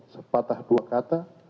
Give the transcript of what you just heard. sepatah dua kata